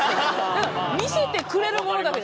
要は見せてくれるものだけで。